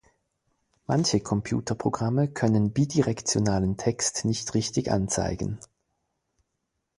Manche Computerprogramme können bidirektionalen Text nicht richtig anzeigen.